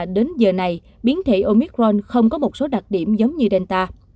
đến giờ này biến thể omicron không có một số đặc điểm giống như delta